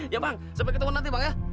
ya bang sampai ketemu nanti bang ya